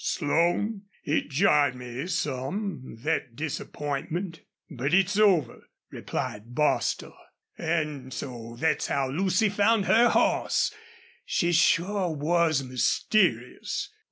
"Slone, it jarred me some, thet disappointment. But it's over," replied Bostil. "An' so thet's how Lucy found her hoss. She sure was mysterious....